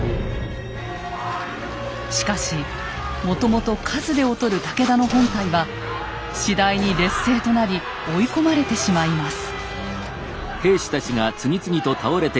しかしもともと数で劣る武田の本隊は次第に劣勢となり追い込まれてしまいます。